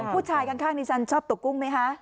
ผู้ชายข้างดิฉันชอบตกกุ้งไหมคะ